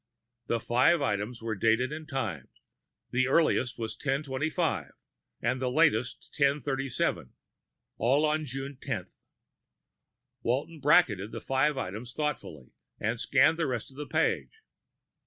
The five items were dated and timed; the earliest was 1025, the latest 1037, all on June tenth. Walton bracketed the five items thoughtfully, and scanned the rest of the page.